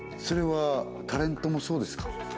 それはタレントもそうですか？